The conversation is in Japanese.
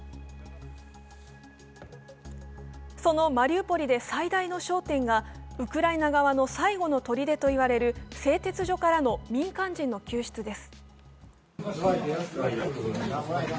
そのマリウポリで最大の焦点がウクライナ側の最後のとりでといわれる、製鉄所からの民間人の救出です。